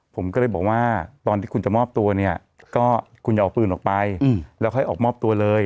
ผมก็เลยบอกว่าตอนที่คุณจะมอบตัวเนี่ยก็คุณอย่าเอาปืนออกไปแล้วค่อยออกมอบตัวเลย